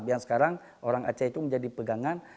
yang sekarang orang aceh itu menjadi pegangan